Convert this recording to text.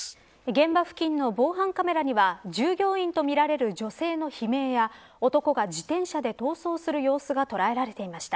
現場付近の防犯カメラには従業員とみられる女性の悲鳴や男が自転車で逃走する様子が捉えられていました。